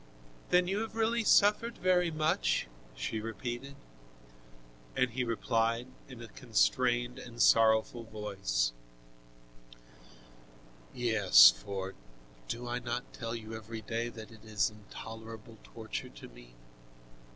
"Then you have really suffered very much?" she repeated. And he replied in a constrained and sorrowful voice: "Yes, for do I not tell you every day that it is intolerable torture to me?